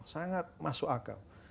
sangat masuk akal